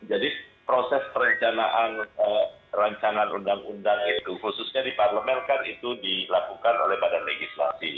jadi proses perencanaan ruu itu khususnya diparlemelkan itu dilakukan oleh badan legislasi